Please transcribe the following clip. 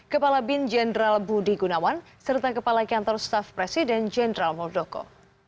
kepala bin jenderal budi gunawan serta kepala kantor staf presiden jenderal muldoko